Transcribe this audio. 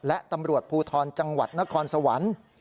และตำรวจภูทรจังหวัดนครสวรรค์